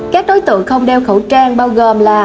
các đối tượng không đeo khẩu trang bao gồm là